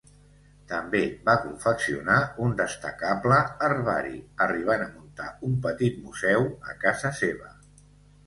També va confeccionar un destacable herbari, arribant a muntar un petit museu a casa seva.